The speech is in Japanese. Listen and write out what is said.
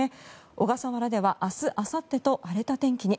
小笠原では明日あさってと荒れた天気に。